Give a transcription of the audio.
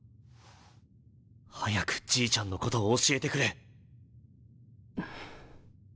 早くじいちゃんのこと教えてくれ。